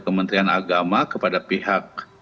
kementerian agama kepada pihak